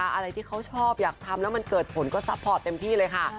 อะไรที่เขาชอบอยากทำแล้วมันเกิดผลก็ซัพพอร์ตเต็มที่เลยค่ะ